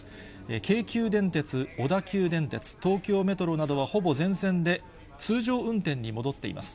京急電鉄、小田急電鉄、東京メトロなどは、ほぼ全線で通常運転に戻っています。